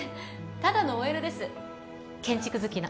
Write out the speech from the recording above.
ただの ＯＬ です建築好きの